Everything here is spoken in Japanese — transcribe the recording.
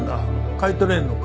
買い取れんのか？